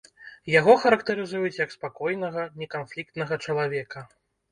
Яго характарызуюць як спакойнага, неканфліктнага чалавека.